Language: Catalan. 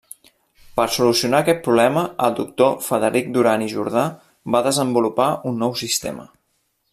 Per solucionar aquest problema, el doctor Frederic Duran i Jordà va desenvolupar un nou sistema.